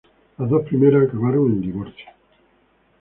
Las dos primeras acabaron en divorcio.